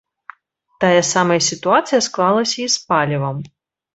Тая самая сітуацыя склалася і з палівам.